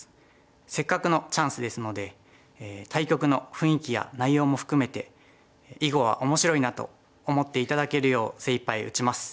せっかくのチャンスですので対局の雰囲気や内容も含めて囲碁は面白いなと思って頂けるよう精いっぱい打ちます。